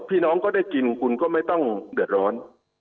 พี่น้องก็ได้กินคุณก็ไม่ต้องเดือดร้อน